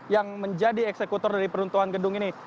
yang menjadi eksekutor dari peruntuhan gedung ini